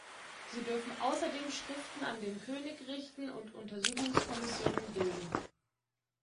Sie dürfen außerdem Schriften an den König richten und Untersuchungskommissionen bilden.